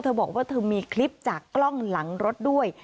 เธอบอกว่าเธอมีคลิปจากกล้องหลังรถด้วย